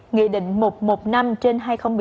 nghị định một trăm một mươi năm trên hai nghìn một mươi ba